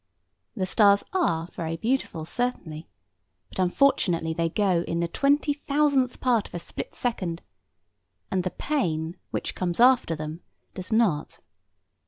The stars are very beautiful, certainly; but unfortunately they go in the twenty thousandth part of a split second, and the pain which comes after them does not.